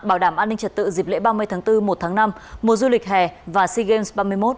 bảo đảm an ninh trật tự dịp lễ ba mươi tháng bốn một tháng năm mùa du lịch hè và sea games ba mươi một